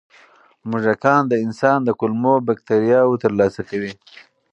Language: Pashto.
موږکان د انسان د کولمو بکتریاوو ترلاسه کوي.